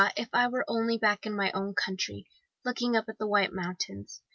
if I were only back in my own country, looking up at the white mountains!